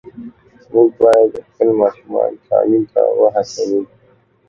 موږ باید خپل ماشومان تعلیم ته وهڅوو.